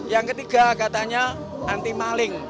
yang ketiga katanya anti maling